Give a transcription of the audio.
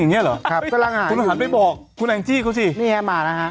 อย่างเงี้ยเหรอครับกำลังหาอยู่คุณหันไปบอกคุณแองจี้เขาสินี่แห้งมาแล้วฮะ